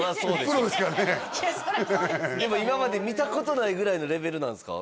プロですからねでも今まで見たことないぐらいのレベルなんですか？